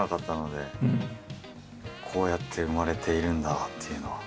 こうやって生まれているんだっていうのは。